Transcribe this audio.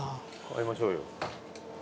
買いましょうよ。